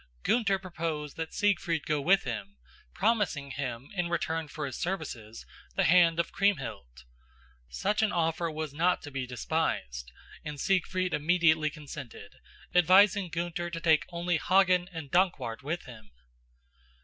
Gunther proposed that Siegfried go with him, promising him, in return for his services, the hand of Kriemhild. Such an offer was not to be despised, and Siegfried immediately consented, advising Gunther to take only Hagen and Dankwart with him.